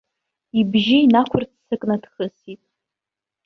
Ибжьы инақәырццакны дхысит.